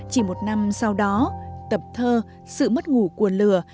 chỉ một năm sau đó tập thơ sự mất ngủ của lửa